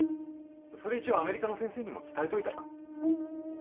それ一応アメリカの先生にも伝えといたら？